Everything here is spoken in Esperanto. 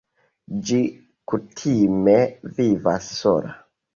Ĝi kutime vivas sola.